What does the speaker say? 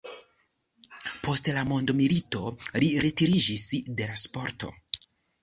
Post la mondomilito li retiriĝis de la sporto.